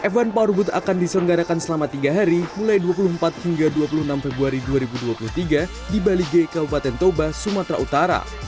f satu powerboat akan diselenggarakan selama tiga hari mulai dua puluh empat hingga dua puluh enam februari dua ribu dua puluh tiga di bali g kabupaten toba sumatera utara